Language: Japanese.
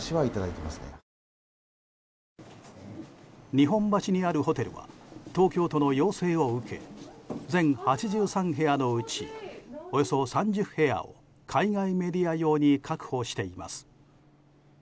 日本橋にあるホテルは東京都の要請を受け全８３部屋のうちおよそ３０部屋を海外メディア用に確保しています。